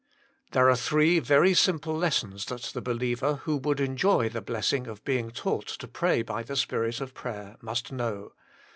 There are three very simple lessons that the believer, who would enjoy the blessing of being taught to pray by the Spirit of prayer, must know.